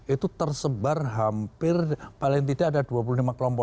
itu tersebar hampir paling tidak ada dua puluh lima kelompok